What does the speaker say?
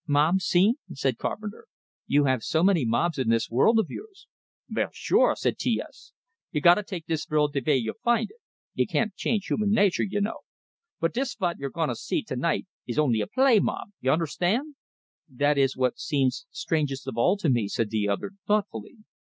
"Mob scene?" said Carpenter. "You have so many mobs in this world of yours!" "Vell, sure," said T S. "You gotta take dis vorld de vay you find it. Y'can't change human nature, y'know. But dis vot you're gonna see tonight is only a play mob, y'unnerstand." "That is what seems strangest of all to me," said the other, thoughtfully.